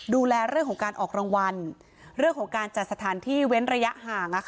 ดูแลเรื่องของการออกรางวัลเรื่องของการจัดสถานที่เว้นระยะห่าง